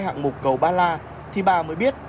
hạng mục cầu ba la thì bà mới biết